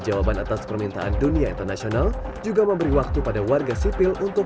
jawaban atas permintaan dunia internasional juga memberi waktu pada warga sipil untuk